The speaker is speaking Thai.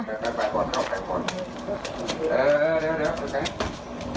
เดี๋ยว